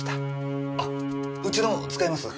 あっうちの使います？